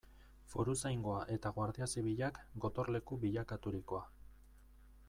Foruzaingoa eta Guardia Zibilak gotorleku bilakaturikoa.